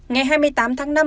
ngày hai mươi tám tháng năm